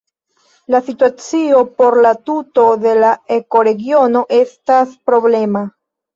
La situacio por la tuto de la ekoregiono estas problema.